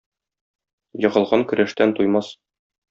Егылган көрәштән туймас.